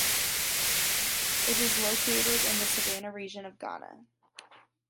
It is located in the Savannah region of Ghana.